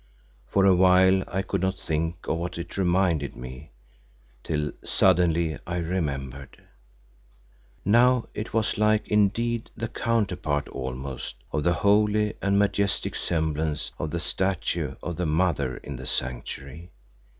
For a while I could not think of what it reminded me, till suddenly I remembered. Now it was like, indeed the counterpart almost, of the holy and majestic semblance of the statue of the Mother in the Sanctuary.